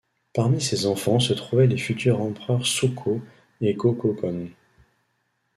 Parmi ses enfants se trouvaient les futurs emperereurs Sukō et Go-Kōgon.